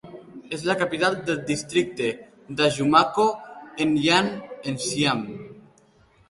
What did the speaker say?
És la capital del districte d'Ajumako-Enyan-Esiam.